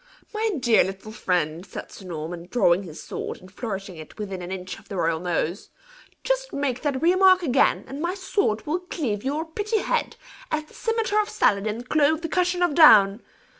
"My dear little friend," said Sir Norman, drawing his sword, and flourishing it within an inch of the royal nose, "just make that remark again, and my sword will cleave your pretty head, as the cimetar of Saladin clove the cushion of down!